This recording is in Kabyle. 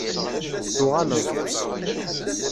Tuɣaleḍ-d.